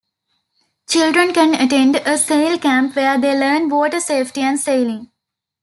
Children can attend a Sail Camp where they learn water safety and sailing.